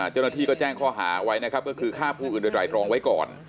เจ้าหน้าที่ก็แจ้งข้อหาไว้นะครับก็คือฆ่าผู้อื่นโดยไตรรองไว้ก่อน